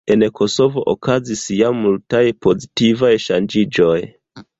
En Kosovo okazis jam multaj pozitivaj ŝanĝiĝoj.